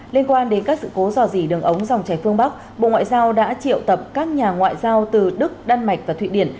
liên quan đến các sự cố dò dỉ đường ống dòng trẻ phương bắc bộ ngoại giao đã triệu tập các nhà ngoại giao từ đức đan mạch và thụy điển